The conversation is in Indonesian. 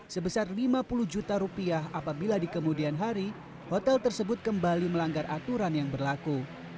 sebesar lima puluh juta rupiah apabila di kemudian hari hotel tersebut kembali melanggar aturan yang berlaku